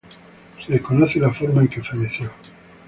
Se desconoce la forma en que falleció.